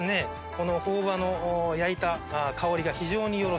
この朴葉の焼いた香りが非常によろしいです。